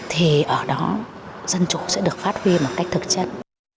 thì ở đó dân chủ sẽ được phát huy một cách thực chất